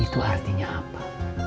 itu artinya apa